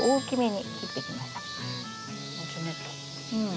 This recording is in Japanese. うん。